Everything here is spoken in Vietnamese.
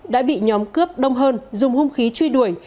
đã bị nhóm cướp đông hơn dùng hung khí truy đuổi